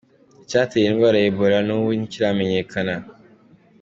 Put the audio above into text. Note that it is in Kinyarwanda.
Icyateye iyi ndwara ya Ebola na n'ubu ntikiramenyekana.